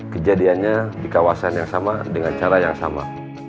kejadiannya di kawasan yang sama dengan cara yang sama